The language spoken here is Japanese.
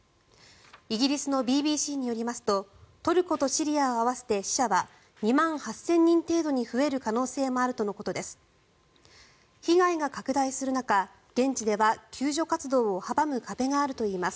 イギリスのＢＢＣによりますとトルコとシリアを合わせて死者は２万８０００人程度に増える可能性もあるとのことです。